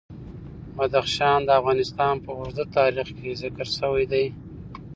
بدخشان د افغانستان په اوږده تاریخ کې ذکر شوی دی.